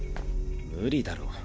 無理だろ。